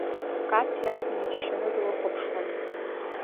Кац иакәын иџьшьаны длыхәаԥшуан.